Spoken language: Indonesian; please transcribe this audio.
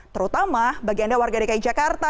terutama bagi anda warga dki jakarta